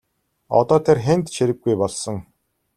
Одоо тэр хэнд ч хэрэггүй болсон.